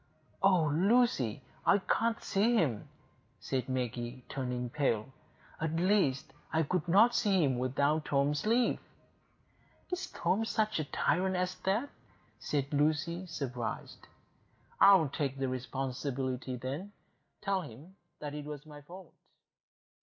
"Oh, Lucy, I can't see him," said Maggie, turning pale. "At least, I could not see him without Tom's leave." "Is Tom such a tyrant as that?" said Lucy, surprised. "I'll take the responsibility, then,—tell him it was my fault."